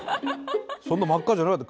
そんな真っ赤じゃなかった。